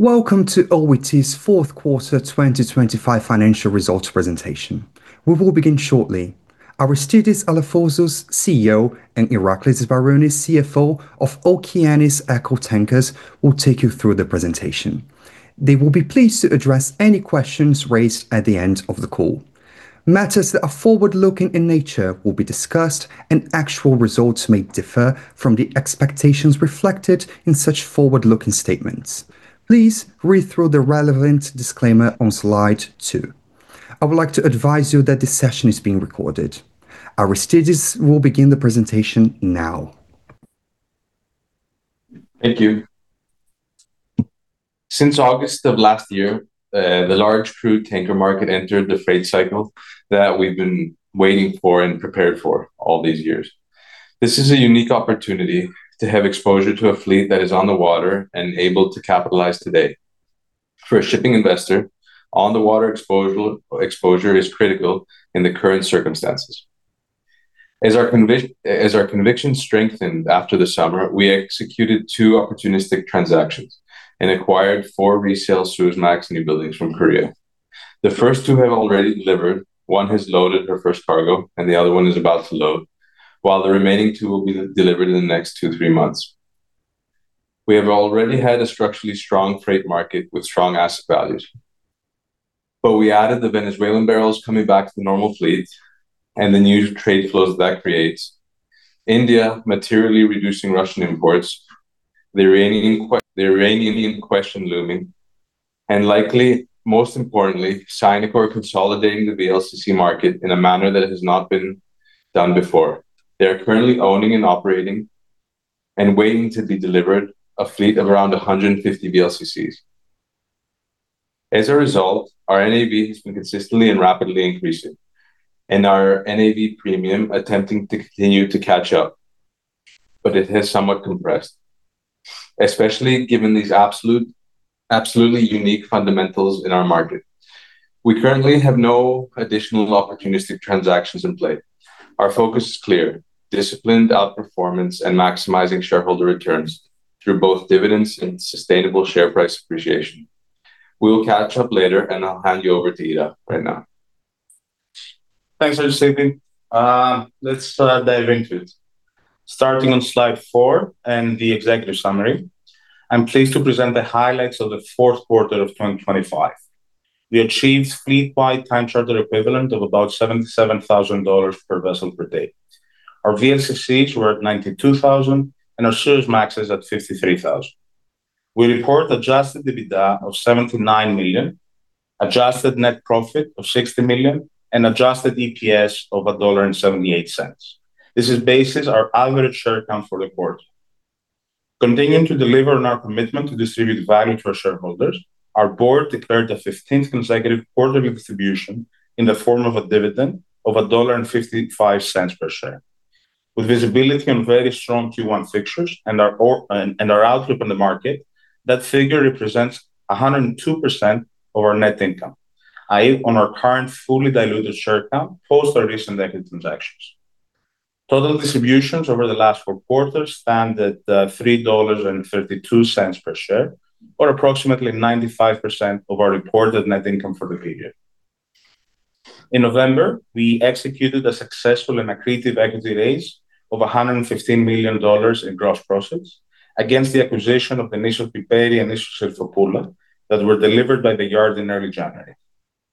Welcome to OET's fourth quarter 2025 financial results presentation. We will begin shortly. Aristidis Alafouzos, CEO, and Iraklis Sbarounis, CFO of Okeanis Eco Tankers, will take you through the presentation. They will be pleased to address any questions raised at the end of the call. Matters that are forward-looking in nature will be discussed, and actual results may differ from the expectations reflected in such forward-looking statements. Please read through the relevant disclaimer on slide 2. I would like to advise you that this session is being recorded. Aristidis will begin the presentation now. Thank you. Since August of last year, the large crude tanker market entered the freight cycle that we've been waiting for and prepared for all these years. This is a unique opportunity to have exposure to a fleet that is on the water and able to capitalize today. For a shipping investor, on-the-water exposal, exposure is critical in the current circumstances. As our conviction strengthened after the summer, we executed two opportunistic transactions and acquired four resale Suezmax newbuildings from Korea. The first two have already delivered, one has loaded her first cargo, and the other one is about to load, while the remaining two will be delivered in the next two, three months. We have already had a structurally strong freight market with strong asset values. But we added the Venezuelan barrels coming back to the normal fleet and the new trade flows that creates. India materially reducing Russian imports, the Iranian question looming, and likely, most importantly, Sinokor consolidating the VLCC market in a manner that has not been done before. They are currently owning and operating and waiting to be delivered a fleet of around 150 VLCCs. As a result, our NAV has been consistently and rapidly increasing and our NAV premium attempting to continue to catch up, but it has somewhat compressed, especially given these absolutely unique fundamentals in our market. We currently have no additional opportunistic transactions in play. Our focus is clear: disciplined outperformance and maximizing shareholder returns through both dividends and sustainable share price appreciation. We will catch up later, and I'll hand you over to Ira right now. Thanks, Aristidis. Let's dive into it. Starting on slide four and the executive summary, I'm pleased to present the highlights of the fourth quarter of 2025. We achieved fleet-wide time charter equivalent of about $77,000 per vessel per day. Our VLCCs were at $92,000, and our Suezmax is at $53,000. We report adjusted EBITDA of $79 million, adjusted net profit of $60 million, and adjusted EPS of $1.78. This is basis our average share count for the quarter. Continuing to deliver on our commitment to distribute value to our shareholders, our board declared the fifteenth consecutive quarter distribution in the form of a dividend of $1.55 per share. With visibility on very strong Q1 fixtures and our outlook on the market, that figure represents 102% of our net income, i.e., on our current fully diluted share count, post our recent equity transactions. Total distributions over the last four quarters stand at $3.32 per share, or approximately 95% of our reported net income for the period. In November, we executed a successful and accretive equity raise of $115 million in gross proceeds against the acquisition of the Nissos Piperi and Nissos Serifopoula that were delivered by the yard in early January.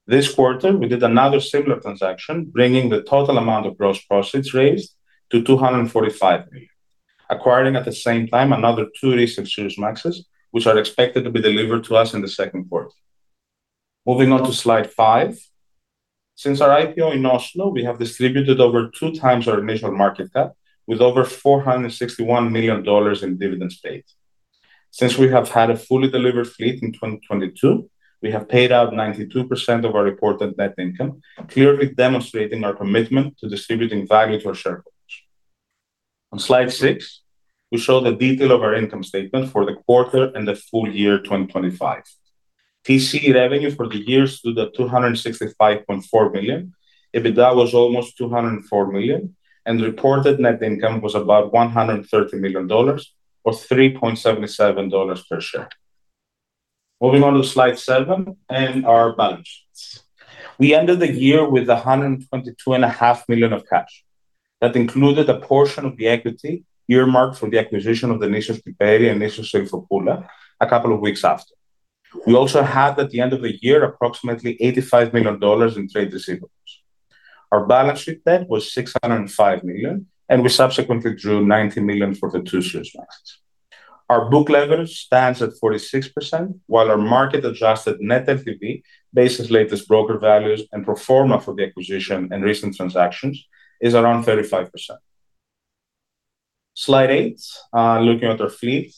This quarter, we did another similar transaction, bringing the total amount of gross proceeds raised to $245 million, acquiring at the same time another two recent Suezmaxes, which are expected to be delivered to us in the second quarter. Moving on to slide 5. Since our IPO in Oslo, we have distributed over 2x our initial market cap with over $461 million in dividends paid. Since we have had a fully delivered fleet in 2022, we have paid out 92% of our reported net income, clearly demonstrating our commitment to distributing value to our shareholders. On slide 6, we show the detail of our income statement for the quarter and the full year 2025. TC revenue for the year stood at $265.4 million, EBITDA was almost $204 million, and the reported net income was about $130 million, or $3.77 per share. Moving on to slide 7 and our balance sheets. We ended the year with $122.5 million of cash. That included a portion of the equity earmarked for the acquisition of the Nissos Piperi and Nissos Serifopoula a couple of weeks after. We also had, at the end of the year, approximately $85 million in trade receivables. Our balance sheet debt was $605 million, and we subsequently drew $90 million for the two Suezmaxes. Our book level stands at 46%, while our market-adjusted net LTV, based on latest broker values and pro forma for the acquisition and recent transactions, is around 35%. Slide 8, looking at our fleet.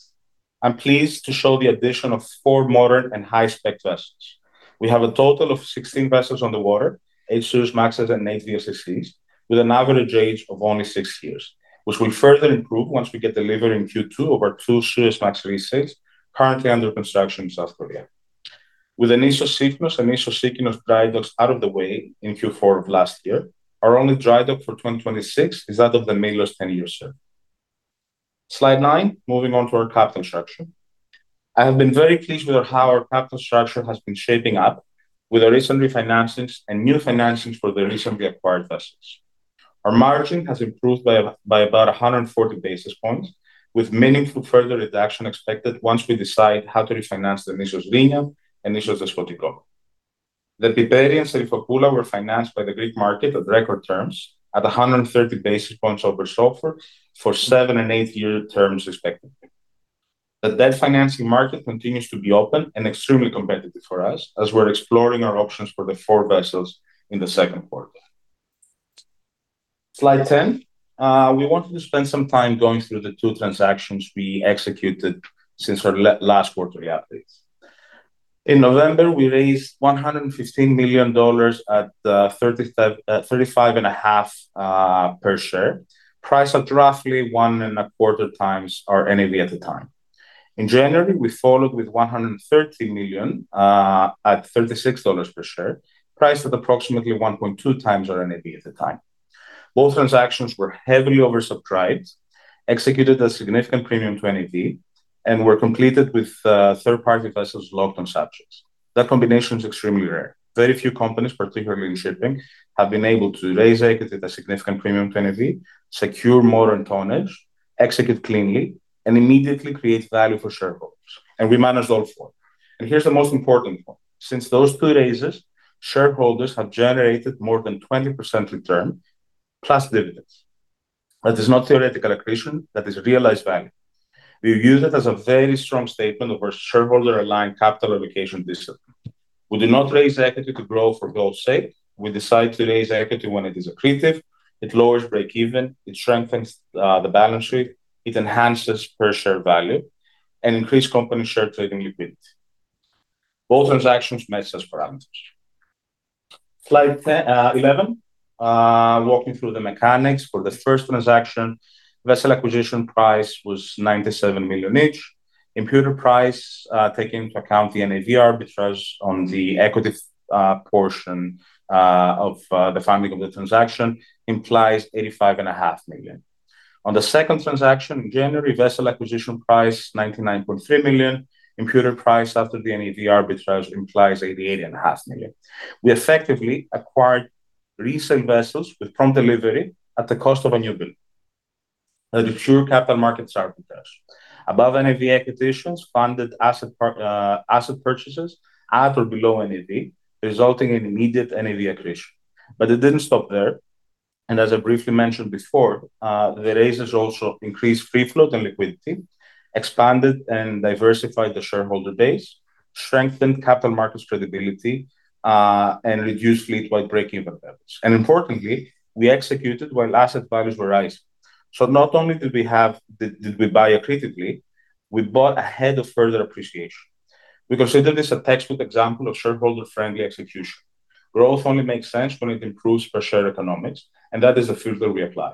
I'm pleased to show the addition of 4 modern and high-spec vessels. We have a total of 16 vessels on the water, 8 Suezmaxes and 8 VLCCs, with an average age of only 6 years, which will further improve once we get delivered in Q2 of our 2 Suezmax resales currently under construction in South Korea. With the Nissos Sifnos and Nissos Sikinos dry docks out of the way in Q4 of last year, our only dry dock for 2026 is that of the Nissos Milos ten-year survey. Slide 9, moving on to our capital structure. I have been very pleased with how our capital structure has been shaping up with our recent refinancings and new financings for the recently acquired vessels. Our margin has improved by about 140 basis points, with meaningful further reduction expected once we decide how to refinance the Nissos Rhenia and Nissos Schinoussa. The Nissos Piperi and Nissos Serifopoula were financed by the Greek market at record terms at 130 basis points over SOFR for 7- and 8-year terms respectively. The debt financing market continues to be open and extremely competitive for us as we're exploring our options for the four vessels in the second quarter. Slide 10. We wanted to spend some time going through the two transactions we executed since our last quarterly updates. In November, we raised $115 million at 35.5 per share, priced at roughly 1.25x our NAV at the time. In January, we followed with $130 million at $36 per share, priced at approximately 1.2x our NAV at the time. Both transactions were heavily oversubscribed, executed a significant premium to NAV, and were completed with third-party vessels locked on subjects. That combination is extremely rare. Very few companies, particularly in shipping, have been able to raise equity at a significant premium to NAV, secure modern tonnage, execute cleanly, and immediately create value for shareholders, and we managed all four. And here's the most important one: Since those two raises, shareholders have generated more than 20% return, plus dividends. That is not theoretical accretion, that is realized value. We view it as a very strong statement of our shareholder-aligned capital allocation discipline. We do not raise equity to grow for growth's sake. We decide to raise equity when it is accretive, it lowers break-even, it strengthens the balance sheet, it enhances per share value, and increase company share trading liquidity. Both transactions match those parameters. Slide 10, 11. Walking through the mechanics for the first transaction, vessel acquisition price was $97 million each. Imputed price, taking into account the NAV arbitrage on the equity portion of the funding of the transaction, implies $85.5 million. On the second transaction in January, vessel acquisition price, $99.3 million. Imputed price after the NAV arbitrage implies $88.5 million. We effectively acquired recent vessels with prompt delivery at the cost of a newbuild. Now, the pure capital markets arbitrage. Above NAV acquisitions funded asset par, asset purchases at or below NAV, resulting in immediate NAV accretion. But it didn't stop there, and as I briefly mentioned before, the raises also increased free float and liquidity, expanded and diversified the shareholder base, strengthened capital markets credibility, and reduced fleet-wide break-even levels. Importantly, we executed while asset values were rising. So not only did we buy accretively, we bought ahead of further appreciation. We consider this a textbook example of shareholder-friendly execution. Growth only makes sense when it improves per share economics, and that is the filter we apply.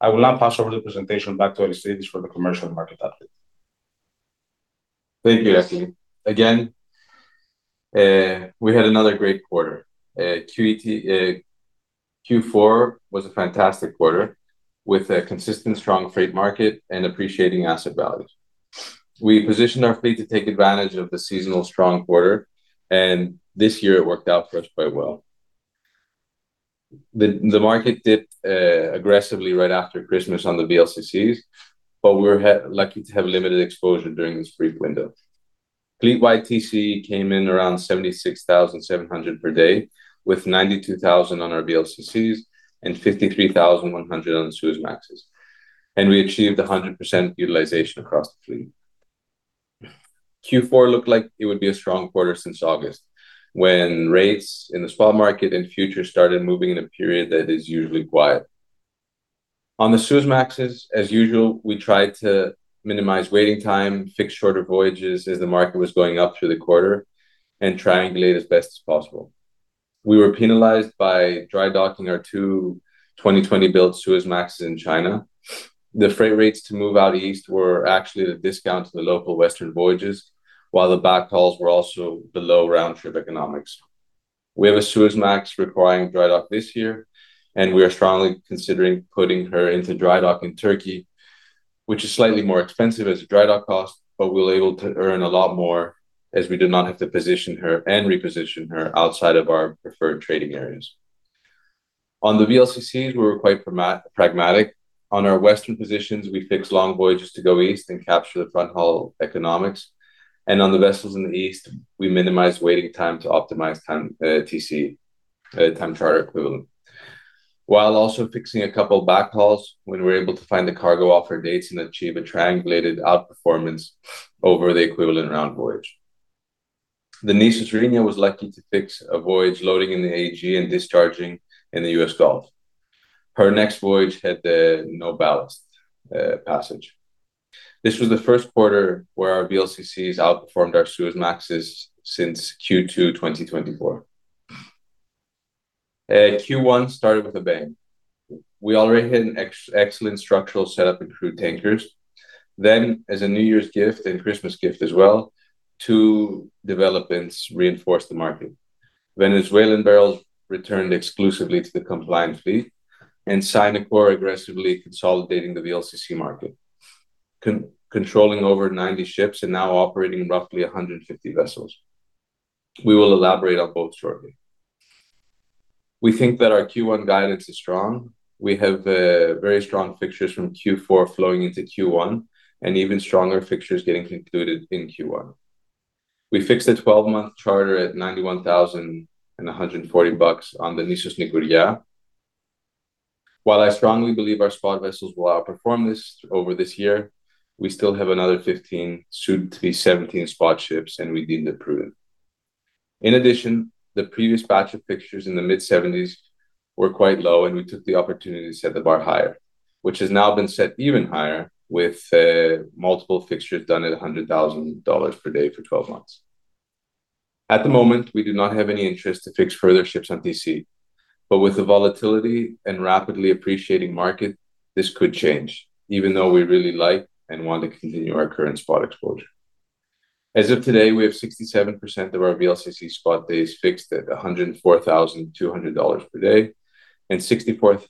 I will now pass over the presentation back to Aristidis for the commercial market update. Thank you, Iraklis. Again, we had another great quarter. OET, Q4 was a fantastic quarter with a consistent strong freight market and appreciating asset values. We positioned our fleet to take advantage of the seasonal strong quarter, and this year it worked out for us quite well. The market dipped, aggressively right after Christmas on the VLCCs, but we were lucky to have limited exposure during this brief window. Fleet-wide TC came in around $76,700 per day, with $92,000 on our VLCCs and $53,100 on Suezmaxes, and we achieved 100% utilization across the fleet. Q4 looked like it would be a strong quarter since August, when rates in the spot market and futures started moving in a period that is usually quiet. On the Suezmaxes, as usual, we tried to minimize waiting time, fix shorter voyages as the market was going up through the quarter, and triangulate as best as possible. We were penalized by dry docking our two 2020-built Suezmaxes in China. The freight rates to move out east were actually the discount to the local Western voyages, while the backhauls were also below round-trip economics. We have a Suezmax requiring dry dock this year, and we are strongly considering putting her into dry dock in Turkey, which is slightly more expensive as a dry dock cost, but we'll be able to earn a lot more, as we do not have to position her and reposition her outside of our preferred trading areas. On the VLCCs, we were quite pragmatic. On our western positions, we fixed long voyages to go east and capture the front-haul economics, and on the vessels in the east, we minimized waiting time to optimize time, TC, time charter equivalent, while also fixing a couple backhauls when we were able to find the cargo offer dates and achieve a triangulated outperformance over the equivalent round voyage. The Nissos Rhenia was lucky to fix a voyage loading in the Aegean and discharging in the US Gulf. Her next voyage had the no ballast passage. This was the first quarter where our VLCCs outperformed our Suezmaxes since Q2 2024.... Q1 started with a bang. We already had an excellent structural setup in crude tankers. Then, as a New Year's gift and Christmas gift as well, two developments reinforced the market. Venezuelan barrels returned exclusively to the compliant fleet, and Sinokor aggressively consolidating the VLCC market, controlling over 90 ships and now operating roughly 150 vessels. We will elaborate on both shortly. We think that our Q1 guidance is strong. We have very strong fixtures from Q4 flowing into Q1, and even stronger fixtures getting concluded in Q1. We fixed a 12-month charter at $91,000 and $140 on the Nissos Nikouria. While I strongly believe our spot vessels will outperform this over this year, we still have another 15, soon to be 17 spot ships, and we deemed it prudent. In addition, the previous batch of fixtures in the mid-$70,000s were quite low, and we took the opportunity to set the bar higher, which has now been set even higher with multiple fixtures done at $100,000 per day for 12 months. At the moment, we do not have any interest to fix further ships on T/C, but with the volatility and rapidly appreciating market, this could change, even though we really like and want to continue our current spot exposure. As of today, we have 67% of our VLCC spot days fixed at $104,200 per day, and 64%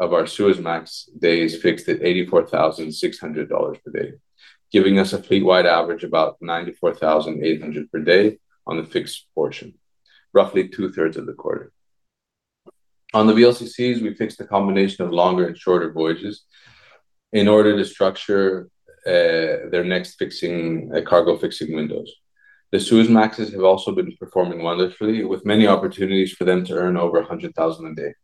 of our Suezmax days fixed at $84,600 per day, giving us a fleet-wide average about $94,800 per day on the fixed portion, roughly two-thirds of the quarter. On the VLCCs, we fixed a combination of longer and shorter voyages in order to structure their next fixing cargo fixing windows. The Suezmaxes have also been performing wonderfully, with many opportunities for them to earn over $100,000 a day.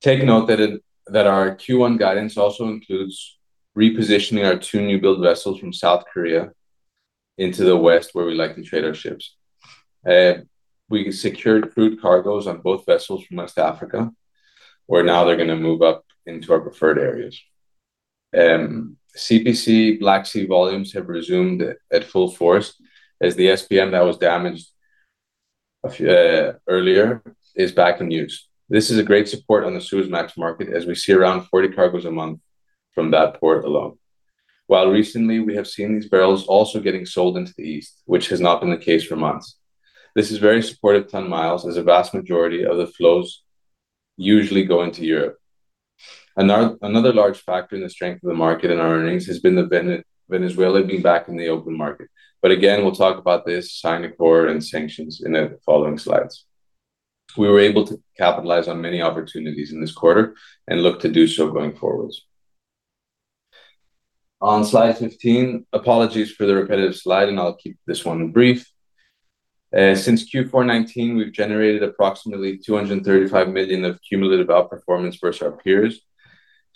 Take note that our Q1 guidance also includes repositioning our two newbuild vessels from South Korea into the West, where we like to trade our ships. We secured crude cargoes on both vessels from West Africa, where now they're going to move up into our preferred areas. CPC Black Sea volumes have resumed at full force, as the SPM that was damaged a few earlier is back in use. This is a great support on the Suezmax market, as we see around 40 cargoes a month from that port alone. While recently, we have seen these barrels also getting sold into the East, which has not been the case for months. This is very supportive ton miles, as a vast majority of the flows usually go into Europe. Another large factor in the strength of the market and our earnings has been the Venezuela being back in the open market. But again, we'll talk about this Sinokor and sanctions in the following slides. We were able to capitalize on many opportunities in this quarter and look to do so going forwards. On slide 15, apologies for the repetitive slide, and I'll keep this one brief. Since Q4 2019, we've generated approximately $235 million of cumulative outperformance versus our peers.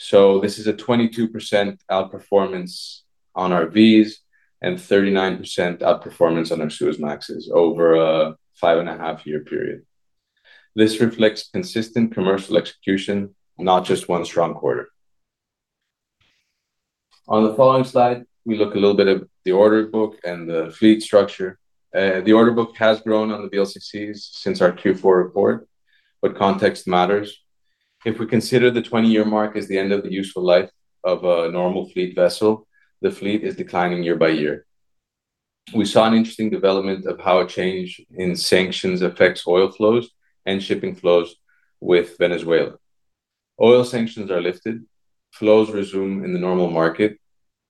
So this is a 22% outperformance on our Vs and 39% outperformance on our Suezmaxes over a 5.5-year period. This reflects consistent commercial execution, not just one strong quarter. On the following slide, we look a little bit at the order book and the fleet structure. The order book has grown on the VLCCs since our Q4 report, but context matters. If we consider the 20-year mark as the end of the useful life of a normal fleet vessel, the fleet is declining year by year. We saw an interesting development of how a change in sanctions affects oil flows and shipping flows with Venezuela. Oil sanctions are lifted, flows resume in the normal market.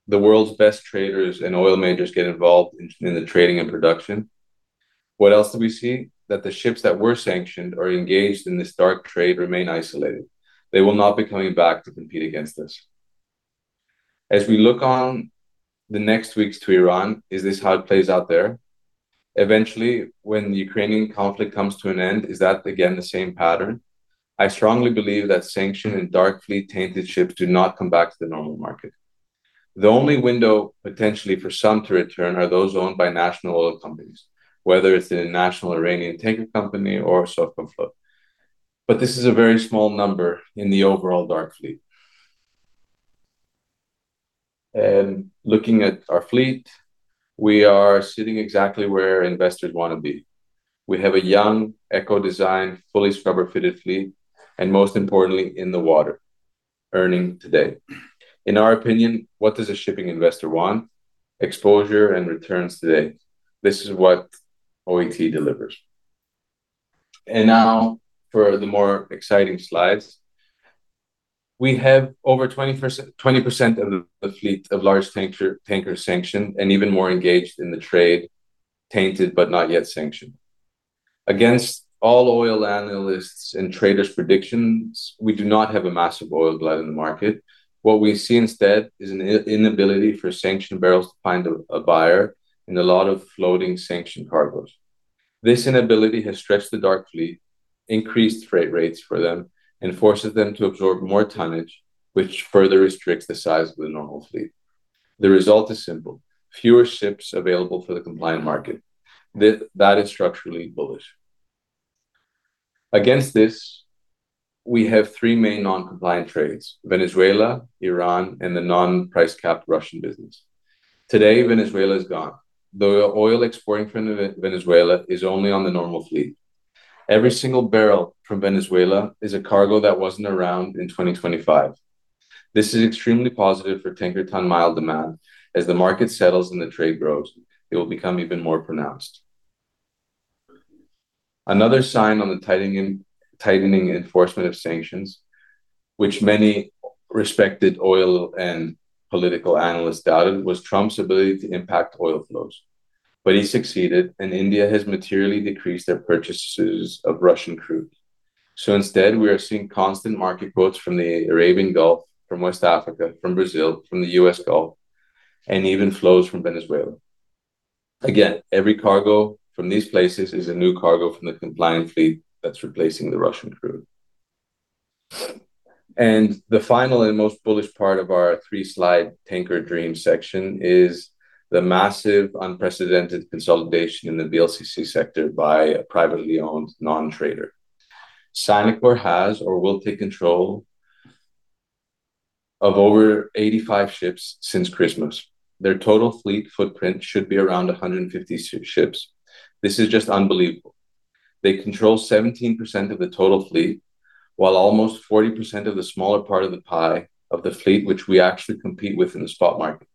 The world's best traders and oil majors get involved in the trading and production. What else do we see? That the ships that were sanctioned or engaged in this dark trade remain isolated. They will not be coming back to compete against us. As we look on the next weeks to Iran, is this how it plays out there? Eventually, when the Ukrainian conflict comes to an end, is that again the same pattern? I strongly believe that sanctions and dark fleet-tainted ships do not come back to the normal market. The only window, potentially for some to return, are those owned by national oil companies, whether it's the National Iranian Tanker Company or Sovcomflot. But this is a very small number in the overall dark fleet. And looking at our fleet, we are sitting exactly where investors want to be. We have a young ECO design, fully scrubber-fitted fleet, and most importantly, in the water, earning today. In our opinion, what does a shipping investor want? Exposure and returns today. This is what OET delivers. And now for the more exciting slides. We have over 20%, 20% of the fleet of large tankers sanctioned and even more engaged in the trade, tainted, but not yet sanctioned. Against all oil analysts and traders' predictions, we do not have a massive oil glut in the market. What we see instead is an inability for sanctioned barrels to find a buyer and a lot of floating sanctioned cargoes. This inability has stretched the dark fleet, increased freight rates for them, and forces them to absorb more tonnage, which further restricts the size of the normal fleet. The result is simple: fewer ships available for the compliant market. That is structurally bullish.... Against this, we have three main non-compliant trades: Venezuela, Iran, and the non-price capped Russian business. Today, Venezuela is gone. The oil exporting from Venezuela is only on the normal fleet. Every single barrel from Venezuela is a cargo that wasn't around in 2025. This is extremely positive for tanker ton-mile demand. As the market settles and the trade grows, it will become even more pronounced. Another sign on the tightening, tightening enforcement of sanctions, which many respected oil and political analysts doubted, was Trump's ability to impact oil flows. But he succeeded, and India has materially decreased their purchases of Russian crude. So instead, we are seeing constant market quotes from the Arabian Gulf, from West Africa, from Brazil, from the US Gulf, and even flows from Venezuela. Again, every cargo from these places is a new cargo from the compliant fleet that's replacing the Russian crude. The final and most bullish part of our three-slide tanker dream section is the massive, unprecedented consolidation in the VLCC sector by a privately owned non-trader. Sinokor has or will take control of over 85 ships since Christmas. Their total fleet footprint should be around 150 ships. This is just unbelievable. They control 17% of the total fleet, while almost 40% of the smaller part of the pie of the fleet, which we actually compete with in the spot market.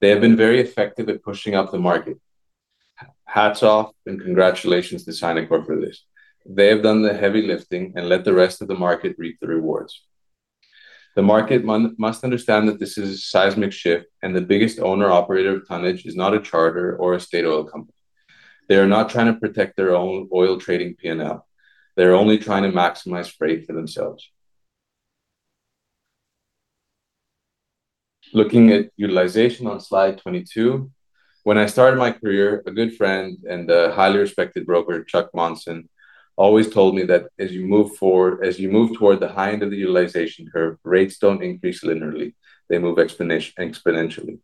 They have been very effective at pushing up the market. Hats off and congratulations to Sinokor for this. They have done the heavy lifting and let the rest of the market reap the rewards. The market must, must understand that this is a seismic shift, and the biggest owner-operator of tonnage is not a charter or a state oil company. They are not trying to protect their own oil trading P&L, they are only trying to maximize freight for themselves. Looking at utilization on slide 22, when I started my career, a good friend and a highly respected broker, Chuck Munson, always told me that as you move forward, as you move toward the high end of the utilization curve, rates don't increase linearly, they move exponentially.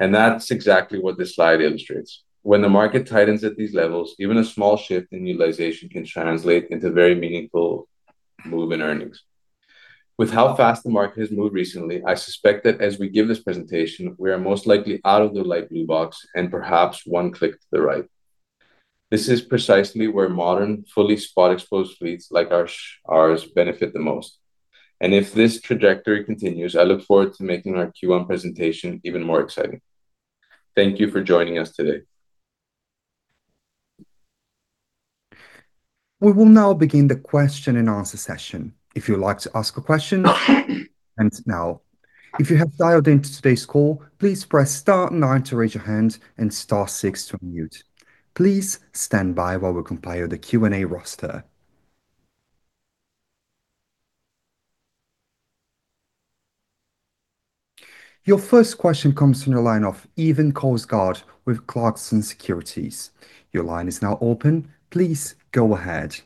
That's exactly what this slide illustrates. When the market tightens at these levels, even a small shift in utilization can translate into very meaningful move in earnings. With how fast the market has moved recently, I suspect that as we give this presentation, we are most likely out of the light blue box and perhaps one click to the right. This is precisely where modern, fully spot-exposed fleets like our, ours benefit the most. If this trajectory continues, I look forward to making our Q1 presentation even more exciting. Thank you for joining us today. We will now begin the Q&A session. If you'd like to ask a question. And now, if you have dialed into today's call, please press star nine to raise your hand and star six to unmute. Please stand by while we compile the Q&A roster. Your first question comes from the line of Even Kolsgaard with Clarksons Securities. Your line is now open. Please go ahead.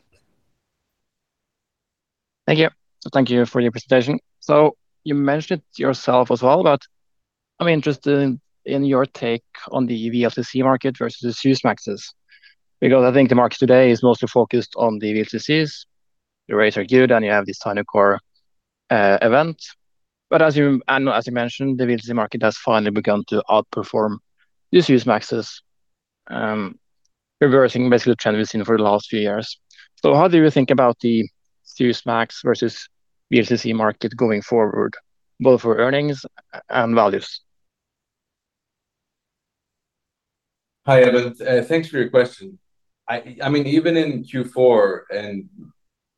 Thank you. Thank you for your presentation. So you mentioned it yourself as well, but I'm interested in your take on the VLCC market versus the Suezmaxes, because I think the market today is mostly focused on the VLCCs. The rates are good, and you have this Sinokor event. But as you mentioned, the VLCC market has finally begun to outperform the Suezmaxes, reversing basically the trend we've seen for the last few years. So how do you think about the Suezmax versus VLCC market going forward, both for earnings and values? Hi, Evan. Thanks for your question. I mean, even in Q4 and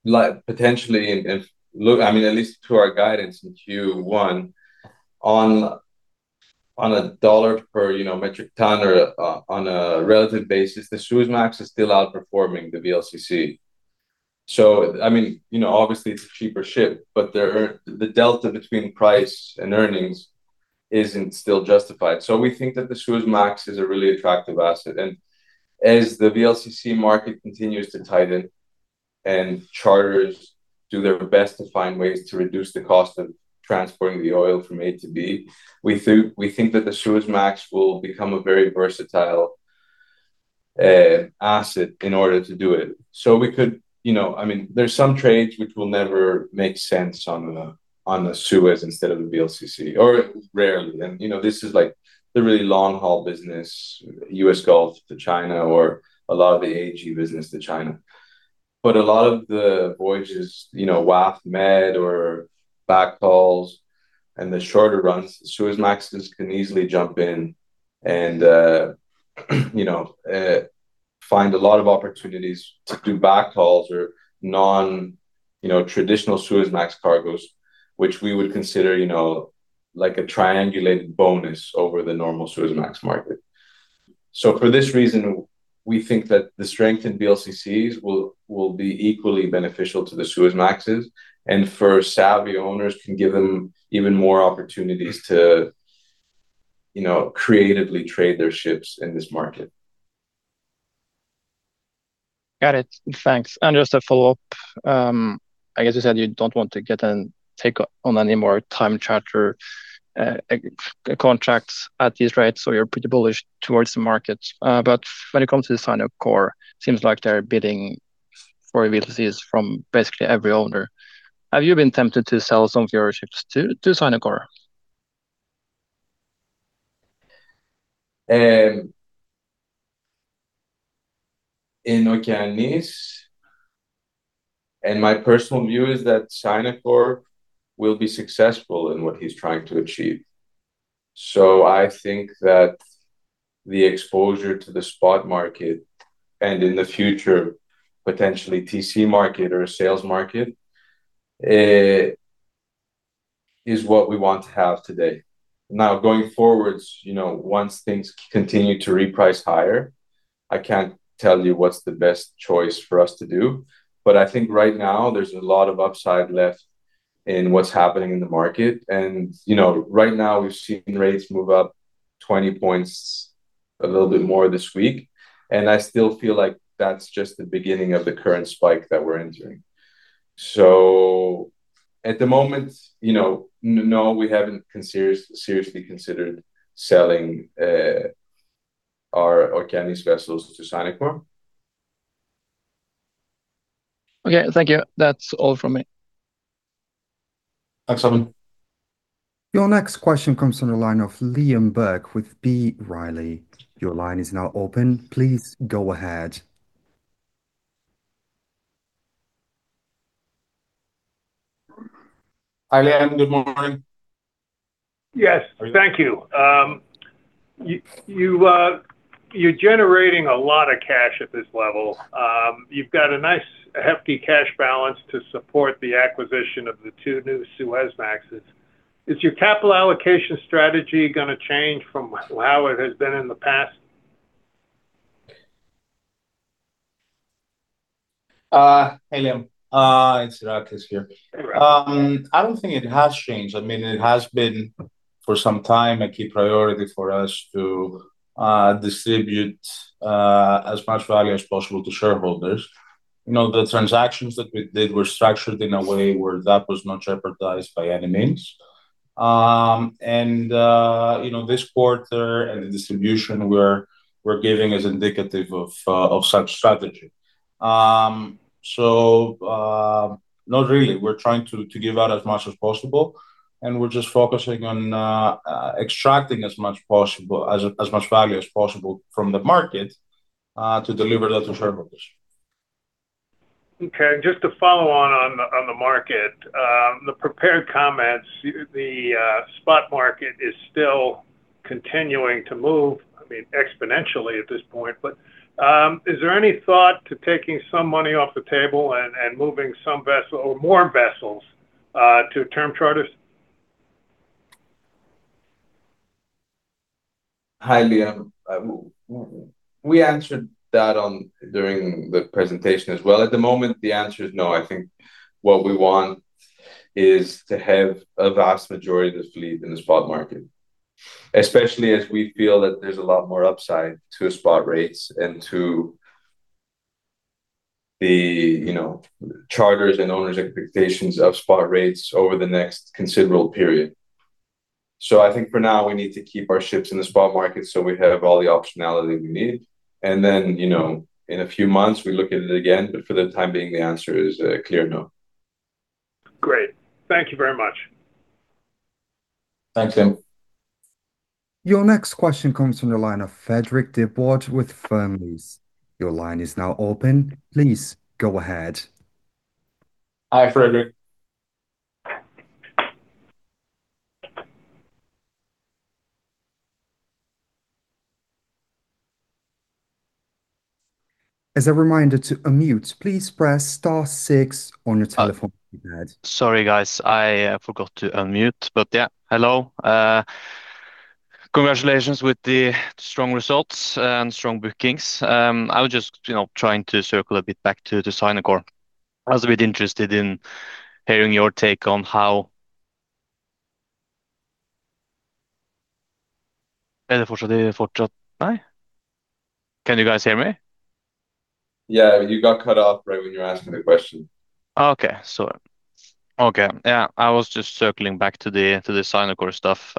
like potentially in, I mean, at least to our guidance in Q1, on a dollar per, you know, metric ton or on a relative basis, the Suezmax is still outperforming the VLCC. So I mean, you know, obviously, it's a cheaper ship, but the delta between price and earnings isn't still justified. So we think that the Suezmax is a really attractive asset, and as the VLCC market continues to tighten, and charters do their best to find ways to reduce the cost of transporting the oil from A to B, we think that the Suezmax will become a very versatile asset in order to do it. So we could, you know, I mean, there's some trades which will never make sense on a Suez instead of a VLCC, or rarely. You know, this is like the really long-haul business, US Gulf to China, or a lot of the AG business to China. But a lot of the voyages, you know, WAF, Med or backhauls and the shorter runs, Suezmaxes can easily jump in and, you know, find a lot of opportunities to do backhauls or non, you know, traditional Suezmax cargoes, which we would consider, you know, like a triangulated bonus over the normal Suezmax market. So for this reason, we think that the strength in VLCCs will be equally beneficial to the Suezmaxes, and for savvy owners, can give them even more opportunities to, you know, creatively trade their ships in this market. Got it. Thanks. Just a follow-up, I guess you said you don't want to get and take on any more time charter contracts at these rates, so you're pretty bullish towards the market. When it comes to Sinokor, seems like they're bidding for VLCCs from basically every owner. Have you been tempted to sell some of your ships to, to Sinokor? In Okeanis, and my personal view is that Sinokor will be successful in what he's trying to achieve. So I think that the exposure to the spot market, and in the future, potentially TC market or a sales market, is what we want to have today. Now, going forwards, you know, once things continue to reprice higher, I can't tell you what's the best choice for us to do, but I think right now there's a lot of upside left in what's happening in the market. And, you know, right now we've seen rates move up 20 points a little bit more this week, and I still feel like that's just the beginning of the current spike that we're entering. So at the moment, you know, no, we haven't seriously considered selling our Okeanis vessels to Sinokor. Okay. Thank you. That's all from me. Thanks, Simon. Your next question comes from the line of Liam Burke with B. Riley. Your line is now open. Please go ahead. Hi, Liam. Good morning. Yes, thank you. You're generating a lot of cash at this level. You've got a nice hefty cash balance to support the acquisition of the two new Suezmaxes. Is your capital allocation strategy gonna change from how it has been in the past? Hey, Liam. It's Iraklis here. I don't think it has changed. I mean, it has been, for some time, a key priority for us to distribute as much value as possible to shareholders. You know, the transactions that we did were structured in a way where that was not jeopardized by any means. And, you know, this quarter and the distribution we're giving is indicative of such strategy. So, not really. We're trying to give out as much as possible, and we're just focusing on extracting as much value as possible from the market to deliver that to shareholders. Okay. Just to follow on the market, the prepared comments, the spot market is still continuing to move, I mean, exponentially at this point. But, is there any thought to taking some money off the table and moving some vessel or more vessels to term charters? Hi, Liam. We answered that one during the presentation as well. At the moment, the answer is no. I think what we want is to have a vast majority of the fleet in the spot market, especially as we feel that there's a lot more upside to spot rates and to the, you know, charters and owners' expectations of spot rates over the next considerable period. So I think for now, we need to keep our ships in the spot market so we have all the optionality we need. And then, you know, in a few months, we look at it again, but for the time being, the answer is a clear no. Great. Thank you very much. Thanks, Liam. Your next question comes from the line of Fredrik Dybwad with Fearnley. Your line is now open. Please go ahead. Hi, Fredrik. As a reminder to unmute, please press star six on your telephone keypad. Sorry, guys, I forgot to unmute, but yeah. Hello. Congratulations with the strong results and strong bookings. I was just, you know, trying to circle a bit back to the Sinokor. I was a bit interested in hearing your take on how... Can you guys hear me? Yeah. You got cut off right when you were asking the question. Okay. Sorry. Okay, yeah. I was just circling back to the Sinokor stuff.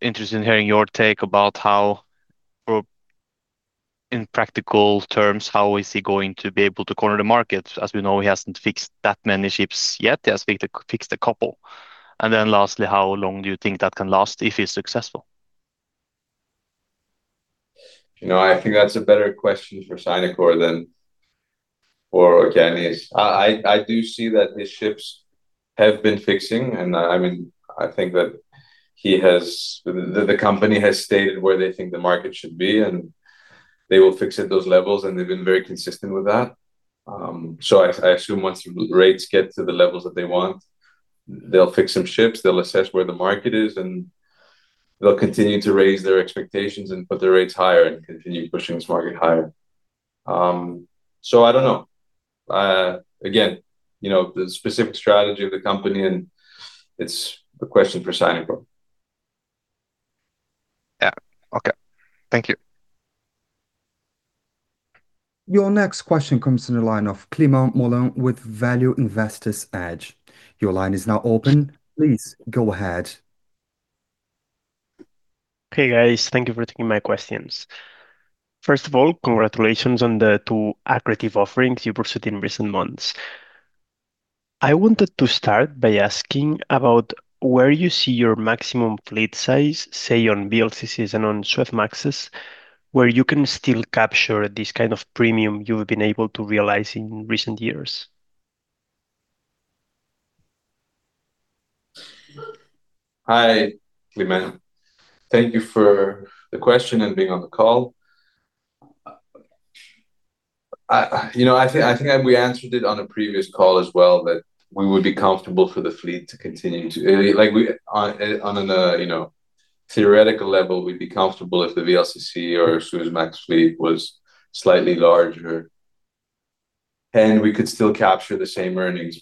Interested in hearing your take about how, or in practical terms, how is he going to be able to corner the market? As we know, he hasn't fixed that many ships yet. He has fixed a couple. And then lastly, how long do you think that can last if he's successful? You know, I think that's a better question for Sinokor than for Okeanis. I do see that his ships have been fixing, and I mean, I think that he has... The company has stated where they think the market should be, and they will fix at those levels, and they've been very consistent with that. So I assume once rates get to the levels that they want, they'll fix some ships, they'll assess where the market is, and they'll continue to raise their expectations and put their rates higher and continue pushing this market higher. So I don't know. Again, you know, the specific strategy of the company and it's a question for Sinokor.... Yeah. Okay, thank you. Your next question comes from the line of Climent Molins with Value Investors Edge. Your line is now open. Please go ahead. Hey, guys. Thank you for taking my questions. First of all, congratulations on the two accretive offerings you pursued in recent months. I wanted to start by asking about where you see your maximum fleet size, say, on VLCCs and on Suezmaxes, where you can still capture this kind of premium you've been able to realize in recent years? Hi, Clement. Thank you for the question and being on the call. You know, I think, I think we answered it on a previous call as well, that we would be comfortable for the fleet to continue to... Like, we, on, on a, you know, theoretical level, we'd be comfortable if the VLCC or Suezmax fleet was slightly larger, and we could still capture the same earnings.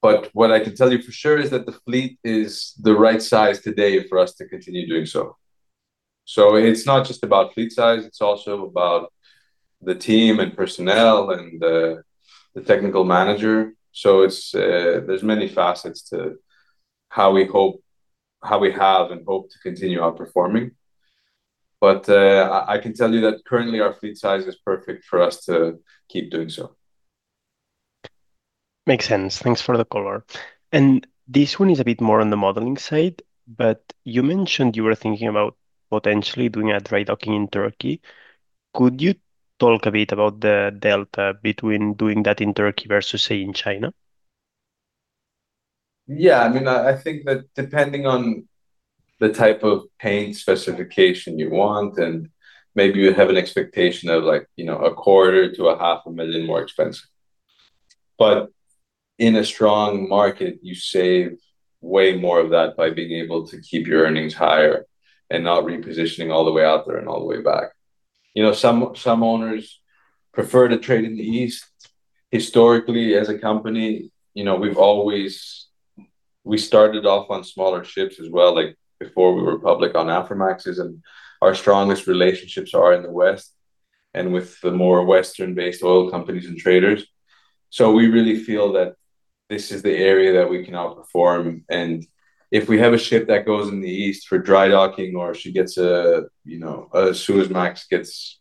But what I can tell you for sure is that the fleet is the right size today for us to continue doing so. So it's not just about fleet size, it's also about the team and personnel and the, the technical manager. So it's, there's many facets to how we hope, how we have and hope to continue outperforming. But, I can tell you that currently our fleet size is perfect for us to keep doing so. Makes sense. Thanks for the color. This one is a bit more on the modeling side, but you mentioned you were thinking about potentially doing a dry docking in Turkey. Could you talk a bit about the delta between doing that in Turkey versus, say, in China? Yeah, I mean, I think that depending on the type of paint specification you want, and maybe you have an expectation of like, you know, $250,000-$500,000 more expensive. But in a strong market, you save way more of that by being able to keep your earnings higher and not repositioning all the way out there and all the way back. You know, some owners prefer to trade in the East. Historically, as a company, you know, we've always... We started off on smaller ships as well, like before we were public on Aframaxes, and our strongest relationships are in the West and with the more Western-based oil companies and traders. So we really feel that this is the area that we can outperform, and if we have a ship that goes in the East for dry docking, or she gets a, you know, a Suezmax gets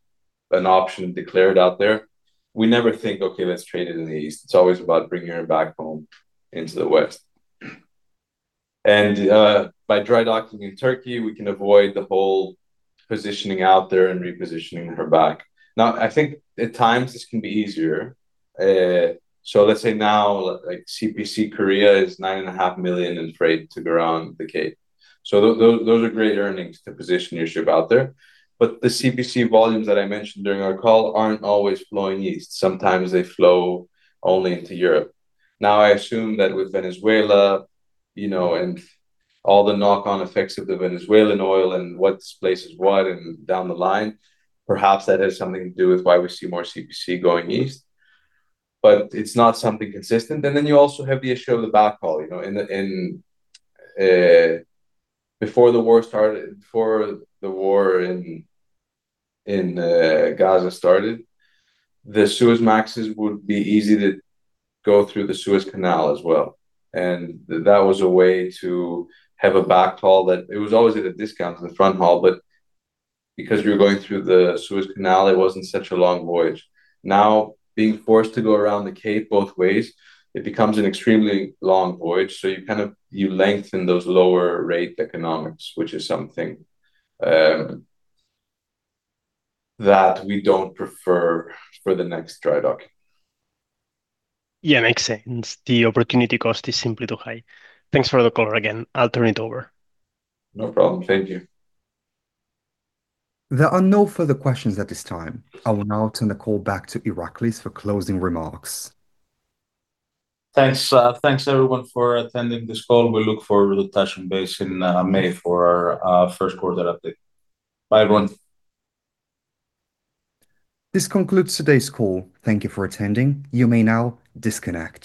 an option declared out there, we never think, "Okay, let's trade it in the East." It's always about bringing her back home into the West. And by dry docking in Turkey, we can avoid the whole positioning out there and repositioning her back. Now, I think at times this can be easier. So let's say now, like CPC Korea is $9.5 million in freight to go around the Cape. So those, those are great earnings to position your ship out there. But the CPC volumes that I mentioned during our call aren't always flowing east. Sometimes they flow only into Europe. Now, I assume that with Venezuela, you know, and all the knock-on effects of the Venezuelan oil and what displaces what, and down the line, perhaps that has something to do with why we see more CPC going east, but it's not something consistent. Then you also have the issue of the backhaul. You know, in the, in, before the war started, before the war in, in, Gaza started, the Suezmaxes would be easy to go through the Suez Canal as well, and that was a way to have a backhaul, that it was always at a discount to the front haul. But because you're going through the Suez Canal, it wasn't such a long voyage. Now, being forced to go around the Cape both ways, it becomes an extremely long voyage. You kind of lengthen those lower rate economics, which is something that we don't prefer for the next dry dock. Yeah, makes sense. The opportunity cost is simply too high. Thanks for the call again. I'll turn it over. No problem. Thank you. There are no further questions at this time. I will now turn the call back to Iraklis for closing remarks. Thanks, thanks, everyone, for attending this call. We look forward to touching base in May for our first quarter update. Bye, everyone. This concludes today's call. Thank you for attending. You may now disconnect.